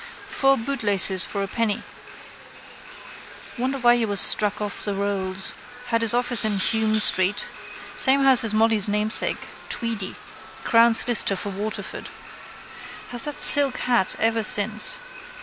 —Four bootlaces for a penny. Wonder why he was struck off the rolls. Had his office in Hume street. Same house as Molly's namesake, Tweedy, crown solicitor for Waterford. Has that silk hat ever since.